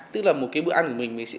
tức là một cái bữa ăn của mình